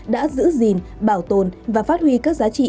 đã giữ gìn bảo tồn và phát huy các giá trị